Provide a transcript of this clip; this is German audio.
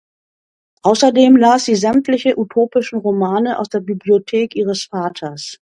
Außerdem las sie sämtliche utopischen Romane aus der Bibliothek ihres Vaters.